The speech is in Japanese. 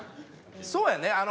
そうやね。